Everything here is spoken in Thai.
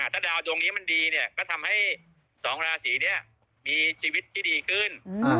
ถ้าดาวดวงนี้มันดีเนี่ยก็ทำให้๒ราศีนี้มีชีวิตที่ดีขึ้น